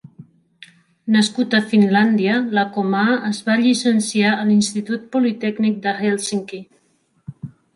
Nascut a Finlàndia, Lakomaa es va llicenciar a l'Institut Politècnic de Hèlsinki.